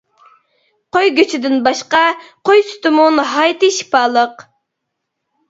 قوي گۆشىدىن باشقا، قوي سۈتىمۇ ناھايىتى شىپالىق.